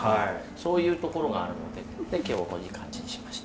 そういうところがあるので今日はこういう感じにしました。